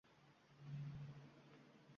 Nega, masalan, Turkmanistonda Senat yo'q?